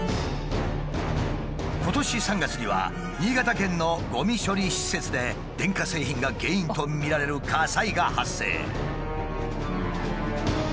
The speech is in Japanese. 今年３月には新潟県のゴミ処理施設で電化製品が原因とみられる火災が発生。